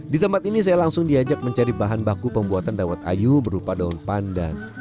di tempat ini saya langsung diajak mencari bahan baku pembuatan dawet ayu berupa daun pandan